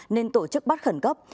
nên tổ chức bắt khẩn cấp